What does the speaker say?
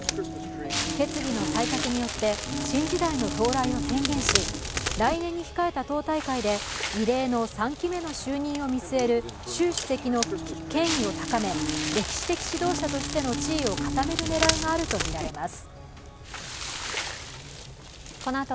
決議の採択によって、新時代の到来を宣言し来年に控えた党大会で異例の３期目の就任を見据える習主席の権威を高め、歴史的指導者としての地位を固める狙いがあるとみられます。